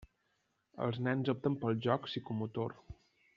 Els nens opten pel joc psicomotor.